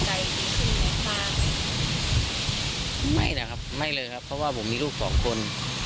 ใจที่คืนนี้บ้างไม่นะครับไม่เลยครับเพราะว่าผมมีลูกสองคน